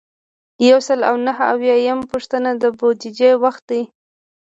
یو سل او نهه اویایمه پوښتنه د بودیجې وخت دی.